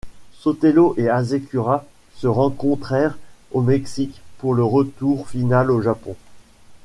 Sotelo et Hasekura se rencontrèrent au Mexique pour le retour final au Japon.